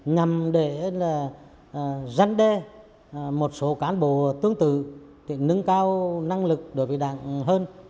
nhằm để là dân đe một số cán bộ tương tự thì nâng cao năng lực đối với đảng hơn